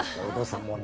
お父さん